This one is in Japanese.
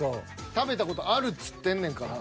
「食べた事ある」つってんねんから。